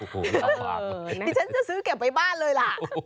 ดิฉันจะซื้อแก่ไปบ้านเลยล่ะ